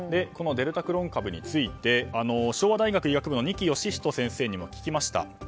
このデルタクロン株について昭和大学医学部の二木芳人先生にも聞きました。